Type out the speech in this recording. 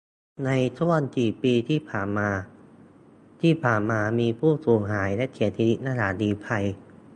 ในช่วงสี่ปีที่ผ่านมา ที่ผ่านมามีผู้สูญหายและเสียชีวิตระหว่างลี้ภัย